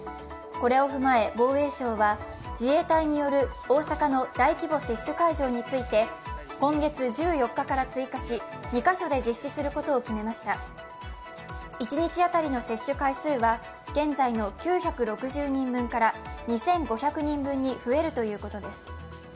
これをふまえ防衛省は自衛隊による大阪の大規模接種会場について、今月１４日から追加し、２カ所で実施することを決めました一日当たりの接種回数は現在の９６０人分から２５００人分に増えるということです。